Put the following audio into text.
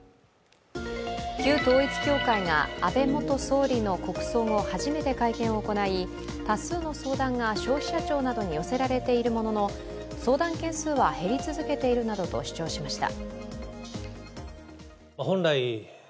旧統一教会が安倍元総理の国葬後初めて会見を行い、多数の相談が消費者庁などに寄せられているものの相談件数は減り続けているなどと主張しました。